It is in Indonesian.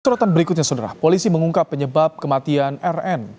keserotan berikutnya polisi mengungkap penyebab kematian rn